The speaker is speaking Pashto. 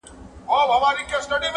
خره هم ورکړې څو لغتي په سینه کي -